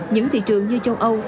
những thị trường như châu âu